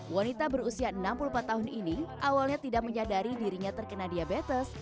wanita berusia enam puluh empat tahun ini awalnya tidak menyadari dirinya terkena diabetes